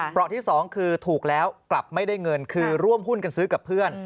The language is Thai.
เพราะที่สองคือถูกแล้วกลับไม่ได้เงินคือร่วมหุ้นกันซื้อกับเพื่อน